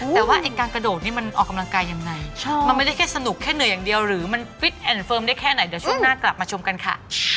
แต่ว่าไอ้การกระโดดนี้มันออกกำลังกายยังไงมันไม่ได้แค่สนุกแค่เหนื่อยอย่างเดียวหรือมันฟิตแอนดเฟิร์มได้แค่ไหนเดี๋ยวช่วงหน้ากลับมาชมกันค่ะ